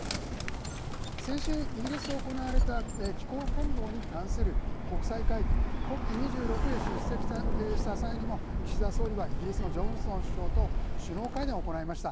先週イギリスで行われた気候変動に関する国際会議ＣＯＰ２６へ出席した際にも岸田総理はイギリスのジョンソン首相と首脳会談を行いました。